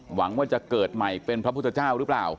หวังว่าจะเกิดใหม่เป็นพระพุทธเจ้าหรือเปล่า